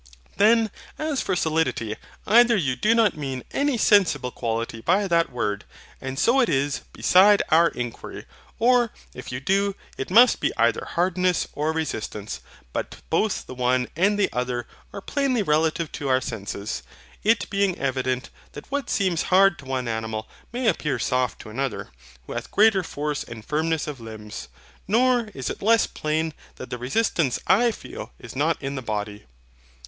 Then as for SOLIDITY; either you do not mean any sensible quality by that word, and so it is beside our inquiry: or if you do, it must be either hardness or resistance. But both the one and the other are plainly relative to our senses: it being evident that what seems hard to one animal may appear soft to another, who hath greater force and firmness of limbs. Nor is it less plain that the resistance I feel is not in the body.